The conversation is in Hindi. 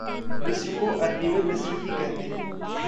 मिस्र को अरबी में "मिस्र" ही कहते हैं।